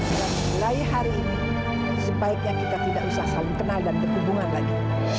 dan mulai hari ini sebaiknya kita tidak usah saling kenal dan berhubungan lagi